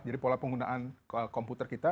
jadi pola penggunaan komputer kita